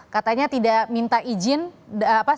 katanya tidak minta izin